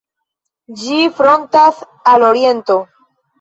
Ĝi frontas al oriento.